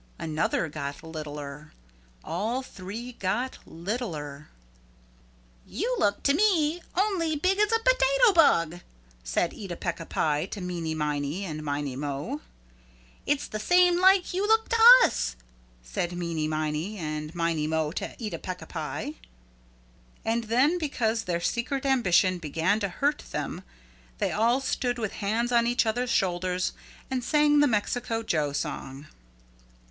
Another got littler. All three got littler. "You look to me only big as a potato bug," said Eeta Peeca Pie to Meeney Miney and Miney Mo. "It's the same like you look to us," said Meeney Miney and Miney Mo to Eeta Peeca Pie. And then because their secret ambition began to hurt them they all stood with hands on each other's shoulders and sang the Mexico Joe song.